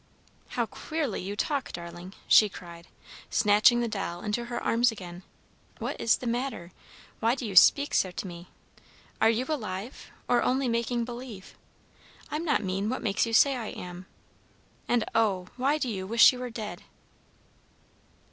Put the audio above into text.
"How queerly you talk, darling!" she cried, snatching the doll into her arms again. "What is the matter? Why do you speak so to me? Are you alive, or only making believe? I'm not mean; what makes you say I am? And, oh! why do you wish you were dead?"